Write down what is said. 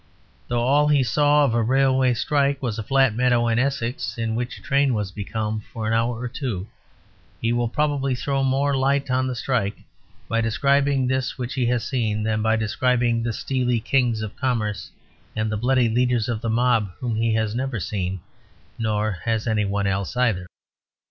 Though all he saw of a railway strike was a flat meadow in Essex in which a train was becalmed for an hour or two, he will probably throw more light on the strike by describing this which he has seen than by describing the steely kings of commerce and the bloody leaders of the mob whom he has never seen nor any one else either.